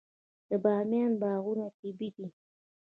د بامیان باغونه طبیعي دي.